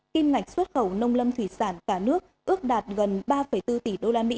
kim ngạch xuất khẩu nông lâm thủy sản cả nước ước đạt gần ba bốn tỷ usd